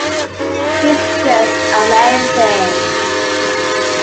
He's just amazing.